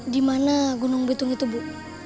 dimana gunung betung itu bu